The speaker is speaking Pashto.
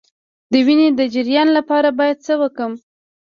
د وینې د جریان لپاره باید څه وکړم؟